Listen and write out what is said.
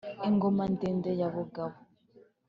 Ingoma ndende ya Bugabo.